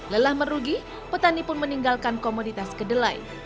lelah merugi petani pun meninggalkan komoditas kedelai